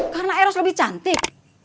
karena eros lebih cantik